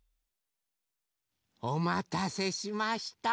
おまたせしました。